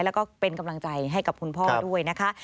แล้วก็เป็นกำลังใจให้กับคุณพ่อด้วยนะคะ